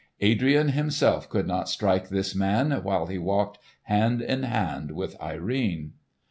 Adrian himself could not strike this man while he walked hand in hand with Irene!